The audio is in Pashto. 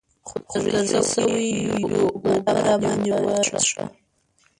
خو تږي شوي يو اوبۀ راباندې وڅښوه ـ